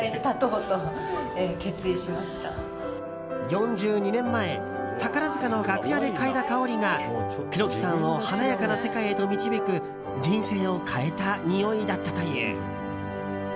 ４２年前宝塚の楽屋でかいだ香りが黒木さんを華やかな世界へと導く人生を変えたにおいだったという。